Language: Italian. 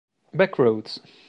Back Roads